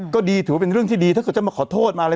ก็ดีถือว่าเป็นเรื่องที่ดีถ้าเกิดจะมาขอโทษมาอะไร